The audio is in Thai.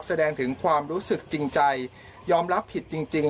แสดงถึงความรู้สึกจริงใจยอมรับผิดจริง